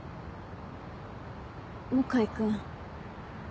向井君。